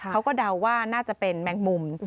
เดาว่าน่าจะเป็นแมงมุม